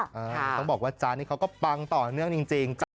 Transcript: ต้องบอกว่าจ๊ะนี่เขาก็ปังต่อเนื่องจริง